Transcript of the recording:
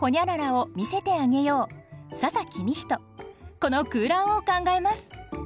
この空欄を考えます